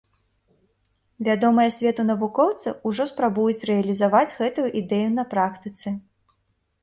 Вядомыя свету навукоўцы ўжо спрабуюць рэалізаваць гэтую ідэю на практыцы.